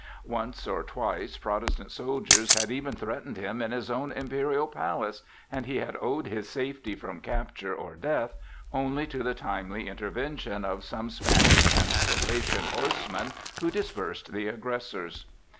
Once or twice Protestant soldiers had even threatened him in his own imperial palace, and he had owed his safety from capture or death only to the timely intervention of some Spanish and Croatian horsemen who dispersed the aggressors.